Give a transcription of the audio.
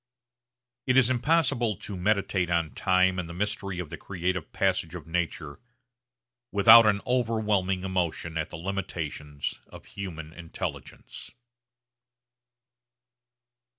It is impossible to meditate on time and the mystery of the creative passage of nature without an overwhelming emotion at the limitations of human intelligence.